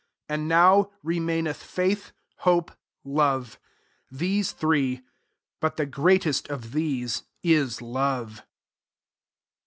13 And now remainem faith, hope, love ; these three; but the greatest of these is love.